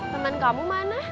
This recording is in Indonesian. teman kamu mana